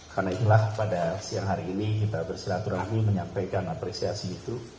karena inilah pada siang hari ini kita bersilaturahmi menyampaikan apresiasi itu